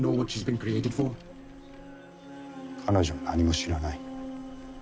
彼女は何も知らない。